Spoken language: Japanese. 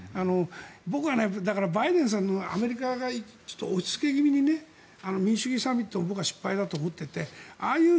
僕はバイデンさんのアメリカがちょっと押しつけ気味に民主主義サミットは僕は失敗だと思っていてああいう